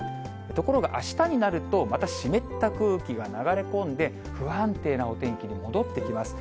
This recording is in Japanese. ところが、あしたになると、また湿った空気が流れ込んで、不安定なお天気に戻ってきます。